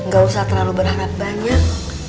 gak usah terlalu berharap banyak